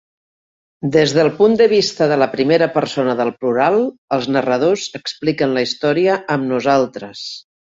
Des del punt de vista de la primera persona del plural, els narradors expliquen la història amb "nosaltres".